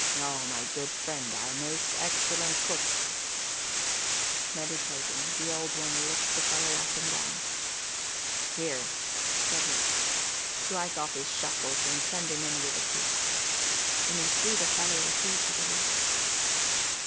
"Oh, my good friend, our most excellent cook!" Meditating, the Old One looked the fellow up and down. "Here," said he, "strike off his shackles and send him in with the key." And he threw the fellow the key to the locks.